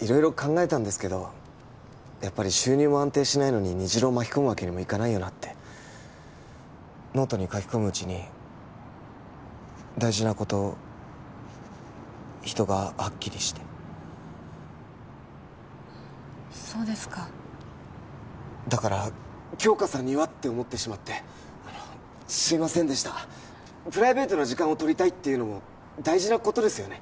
色々考えたんですけどやっぱり収入も安定しないのに虹朗を巻き込むわけにもいかないよなってノートに書き込むうちに大事なこと人がはっきりしてそうですかだから杏花さんにはって思ってしまってあのすいませんでしたプライベートな時間をとりたいっていうのも大事なことですよね